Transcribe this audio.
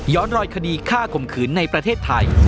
รอยคดีฆ่าข่มขืนในประเทศไทย